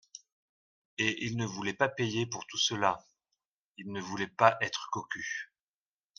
Et il ne voulait pas payer, pour tout cela ; il ne voulait pas être cocu.